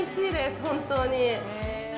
本当に。